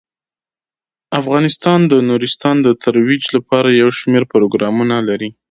افغانستان د نورستان د ترویج لپاره یو شمیر پروګرامونه لري.